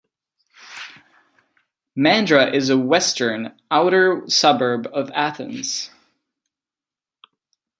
Mandra is a western, outer suburb of Athens.